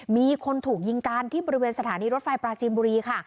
มีคนถูกยิงกันที่บริเวณสถานีรถไฟปราจีนบุรีค่ะ